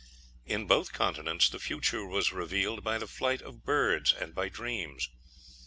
In both continents the future was revealed by the flight of birds and by dreams.